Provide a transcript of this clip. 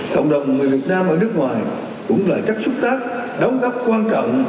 cộng đồng người việt nam ở nước ngoài cũng là chất xúc tác đóng góp quan trọng